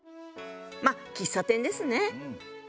まあ喫茶店ですね。